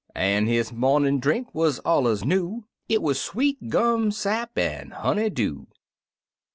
An' his momin' drink wuz allers new — It wuz sweet gum sap an' honey dew!